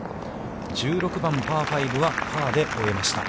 １６番パー５は、パーで終えました。